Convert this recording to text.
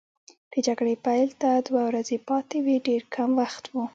د جګړې پیل ته دوه ورځې پاتې وې، ډېر کم وخت وو.